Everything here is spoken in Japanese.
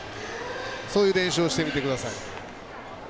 そういう練習をしてみてください。